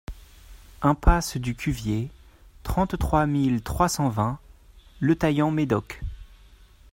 Impasse du Cuvier, trente-trois mille trois cent vingt Le Taillan-Médoc